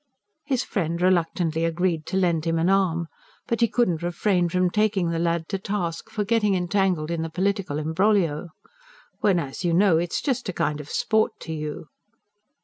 His friend reluctantly agreed to lend him an arm. But he could not refrain from taking the lad to task for getting entangled in the political imbroglio. "When, as you know, it's just a kind of sport to you."